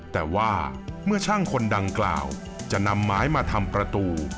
แต่ว่าเมื่อช่างคนดังกล่าวจะนำไม้มาทำประตู